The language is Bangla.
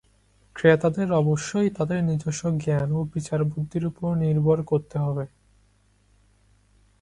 ক্রেতাদের অবশ্যই তাদের নিজস্ব জ্ঞান ও বিচারবুদ্ধির উপর নির্ভর করতে হবে।